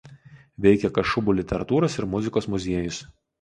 Veikia kašubų literatūros ir muzikos muziejus.